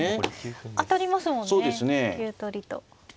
当たりますもんね竜取りと。